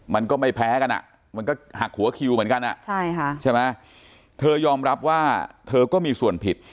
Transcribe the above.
มันก็ไม่แพ้กันมันก็หักหัวคิวเหมือนกันใช่ไหมเธอยอมรับว่าเธอก็มีส่วนผิด